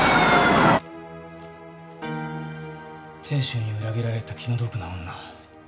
亭主に裏切られた気の毒な女。